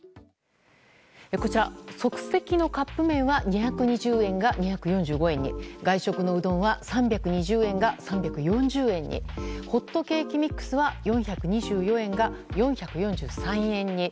こちら、即席のカップ麺は２２０円が２４５円に外食のうどんは３２０円が３４０円にホットケーキミックスは４２４円が４４３円に。